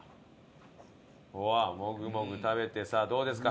もぐもぐ食べてさあどうですか？